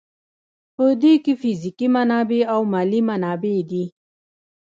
په دې کې فزیکي منابع او مالي منابع دي.